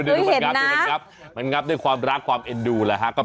ดูมันงับด้วยความรักความเอ็นดูนะฮะดูเห็นนะ